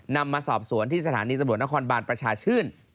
นำมาสอบสวนที่สถานีตำรวจนครบานประชาชื่น